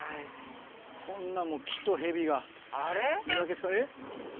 こんなもう木とヘビが見分けつかない。